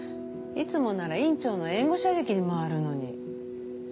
いつもなら院長の援護射撃に回るのに。